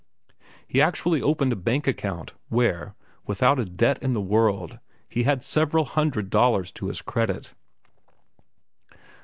He actually opened a bank account, where, without a debt in the world, he had several hundred dollars to his credit.